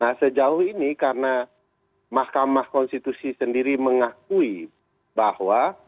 nah sejauh ini karena mahkamah konstitusi sendiri mengakui bahwa